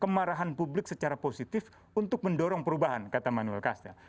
kemarahan publik secara positif untuk mendorong perubahan kata manual castle